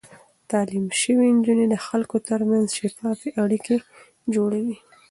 تعليم شوې نجونې د خلکو ترمنځ شفاف اړيکې جوړوي.